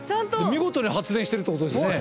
見事に発電してるってことですね。